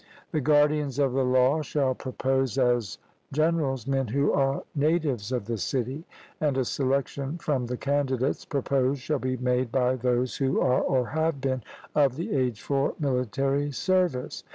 The guardians of the law shall propose as generals men who are natives of the city, and a selection from the candidates proposed shall be made by those who are or have been of the age for military service.